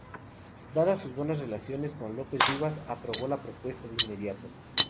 Dadas sus buenas relaciones con López Rivas aprobó la propuesta de inmediato.